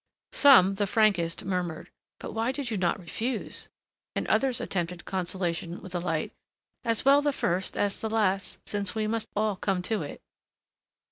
Some, the frankest, murmured, "But why did you not refuse?" and others attempted consolation with a light, "As well the first as the last since we must all come to it."